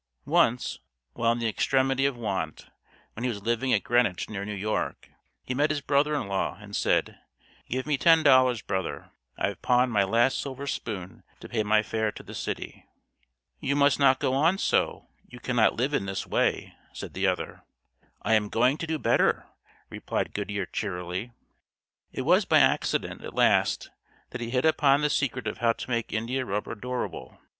Once, while in the extremity of want, when he was living at Greenwich, near New York, he met his brother in law, and said, "Give me ten dollars, brother; I have pawned my last silver spoon to pay my fare to the city." "You must not go on so; you cannot live in this way," said the other. "I am going to do better," replied Goodyear cheerily. It was by accident at last that he hit upon the secret of how to make India rubber durable.